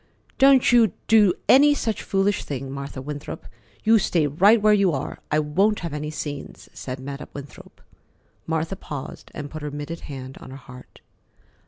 "Don't you do any such foolish thing, Martha Winthrop. You stay right where you are. I won't have any scenes," said Madam Winthrop. Martha paused and put her mitted hand on her heart.